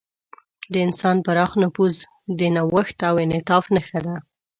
د انسان پراخ نفوذ د نوښت او انعطاف نښه ده.